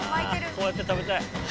こうやって食べたい。